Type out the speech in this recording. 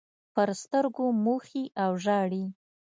پر سترګو موښي او ژاړي.